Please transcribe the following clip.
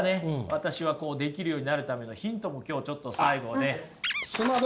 私はできるようになるためのヒントも今日ちょっと最後ね。